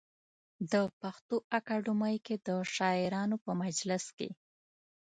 د پښتو اکاډمۍ کې د شاعرانو په مجلس کې.